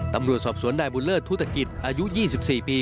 ตำรวจสอบสวนนายบุญเลิศธุรกิจอายุ๒๔ปี